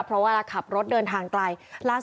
เพราะว่าขับรถเดินทางไกล